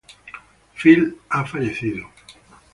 Phil ha fallecido.